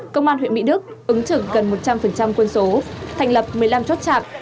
công an huyện mỹ đức ứng trực gần một trăm linh quân số thành lập một mươi năm chốt chạm